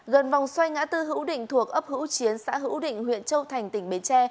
gần vòng xoay ngã tư hữu định thuộc ấp hữu chiến xã hữu định huyện châu thành tỉnh bến tre